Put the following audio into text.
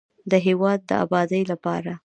د هېواد د ابادۍ لارې